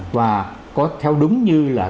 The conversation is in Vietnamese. và có theo đúng như là